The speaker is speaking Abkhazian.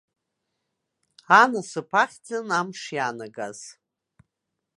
Анасыԥ ахьӡын амш иаанагаз.